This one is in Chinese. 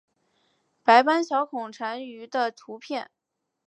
白斑小孔蟾鱼的图片